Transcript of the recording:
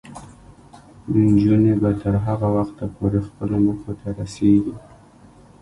نجونې به تر هغه وخته پورې خپلو موخو ته رسیږي.